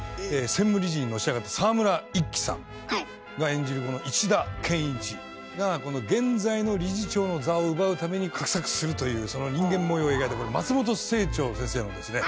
専務理事にのし上がった沢村一樹さんが演じるこの石田謙一がこの現在の理事長の座を奪うために画策するというその人間模様を描いたこれ松本清張先生のですね